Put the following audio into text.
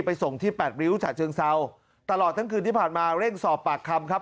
ไปส่งพี่แปดริวชาเสียงเศาตลอดทั้งคืนได้ผ่านมาเร่งสอบปากคำครับ